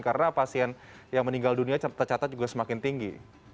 karena pasien yang meninggal dunia tercatat juga semakin tinggi